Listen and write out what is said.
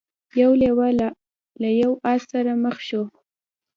یو لیوه له یو آس سره مخ شو.